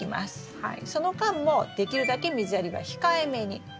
その間もできるだけ水やりは控えめに。